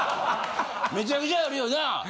めちゃくちゃあるよな？